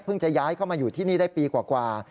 จะย้ายเข้ามาอยู่ที่นี่ได้ปีกว่า